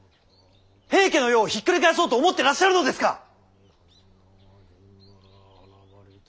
平家の世をひっくり返そうと思ってらっしゃるのですか！